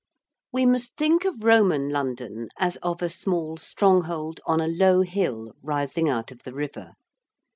We must think of Roman London as of a small stronghold on a low hill rising out of the river.